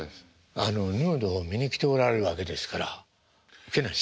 ヌードを見に来ておられるわけですからウケない。